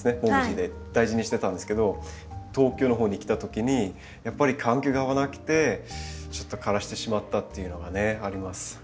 おうちで大事にしてたんですけど東京の方に来た時にやっぱり環境が合わなくてちょっと枯らしてしまったっていうのがねあります。